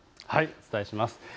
お伝えします。